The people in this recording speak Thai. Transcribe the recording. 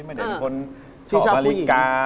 ไม่ได้เป็นคนชอบนาฬิกา